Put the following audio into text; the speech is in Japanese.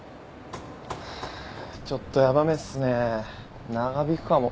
ハァちょっとヤバめっすね長引くかも。